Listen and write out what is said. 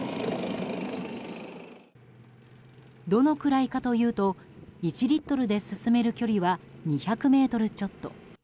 どのくらいかというと１リットルで進める距離は２００ｍちょっと。